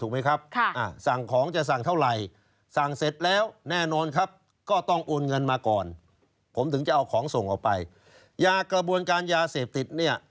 ยากระบวนงานการยาเสพติดเนี่ย